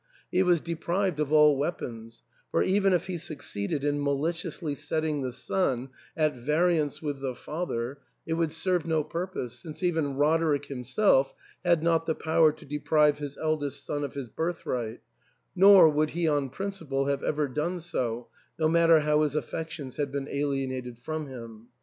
He was deprived of all weapons ; for, even if he succeeded in maliciously setting the son at variance with the father, it would serve no purpose, since even Roderick himself had not the power to deprive his eldest son of his birthTright, nor would he on principle have ever done so, no matter how his affections had been alienated from him.